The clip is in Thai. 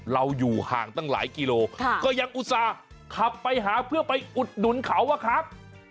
อยู่ห่างตั้งหลายกิโลก็ยังอุตส่าห์ขับไปหาเพื่อไปอุดหนุนเขาอะครับ